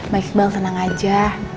ma iqbal tenang aja